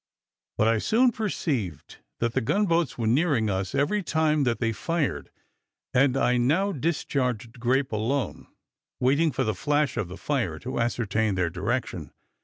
But I soon perceived that the gun boats were nearing us every time that they fired, and I now discharged grape alone, waiting for the flash of the fire to ascertain their direction.